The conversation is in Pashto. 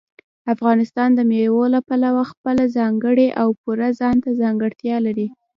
افغانستان د مېوو له پلوه خپله ځانګړې او پوره ځانته ځانګړتیا لري.